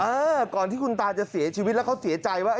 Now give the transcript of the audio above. เออก่อนที่คุณตาจะเสียชีวิตแล้วเขาเสียใจว่า